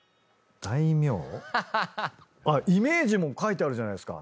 イメージも書いてあるじゃないですか。